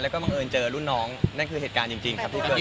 แล้วก็บังเอิญเจอรุ่นน้องนั่นคือเหตุการณ์จริงครับ